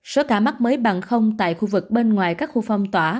số ca mắc mới bằng tại khu vực bên ngoài các khu phong tỏa